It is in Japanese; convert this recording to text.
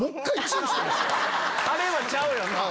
あれはちゃうよな。